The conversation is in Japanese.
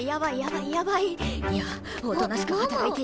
いやおとなしく働いていれば。